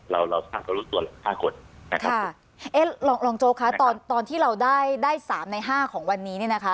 เราทราบรู้ตัว๕คนนะครับลองโจ๊กคะตอนที่เราได้๓ใน๕ของวันนี้